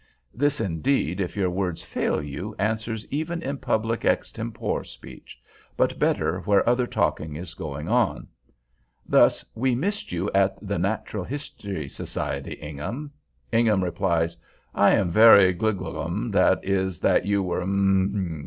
This, indeed, if your words fail you, answers even in public extempore speech—but better where other talking is going on. Thus: "We missed you at the Natural History Society, Ingham." Ingham replies: "I am very gligloglum, that is, that you were m m m m m."